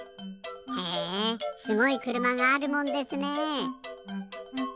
へえすごいくるまがあるもんですね。